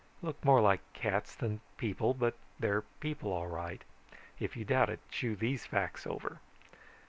Look more like cats than people, but they're people all right. If you doubt it, chew these facts over.